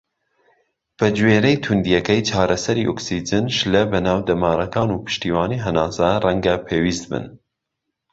بەگوێرەی تووندیەکەی، چارەسەری ئۆکسجین، شلە بە ناو دەمارەکان، و پشتیوانی هەناسە ڕەنگە پێویست بن.